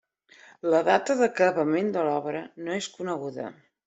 La data d'acabament de l'obra no és coneguda.